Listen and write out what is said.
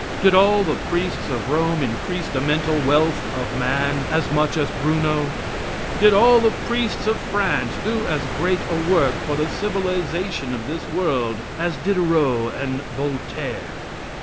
Did all the priests of Rome increase the mental wealth of man as much as Bruno? Did all the priests of France do as great a work for the civilization of this world as Diderot and Voltaire?